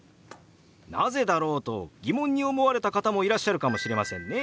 なぜだろうと疑問に思われた方もいらっしゃるかもしれませんね。